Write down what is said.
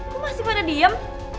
kok masih pada diem